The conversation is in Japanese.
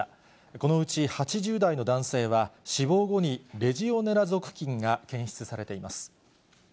このうち８０代の男性は、死亡後にレジオネラ属菌が検出されています。